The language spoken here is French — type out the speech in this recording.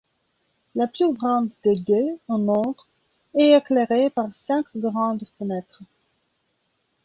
La plus grande des deux, au nord, est éclairée par cinq grandes fenêtres.